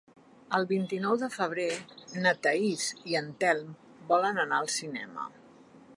El vint-i-nou de febrer na Thaís i en Telm volen anar al cinema.